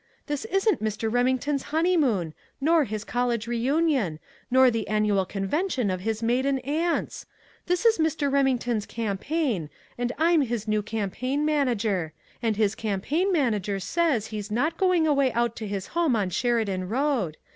"This isn't Mr. Remington's honeymoon nor his college reunion nor the annual convention of his maiden aunts. This is Mr. Remington's campaign, and I'm his new campaign manager. And his campaign manager says he's not going away out to his home on Sheridan Road.